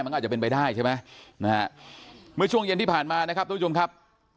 มันก็อาจจะเป็นไปได้ใช่ไหมนะฮะเมื่อช่วงเย็นที่ผ่านมานะครับทุกผู้ชมครับ